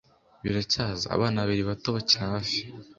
biracyaza, abana babiri bato bakina hafi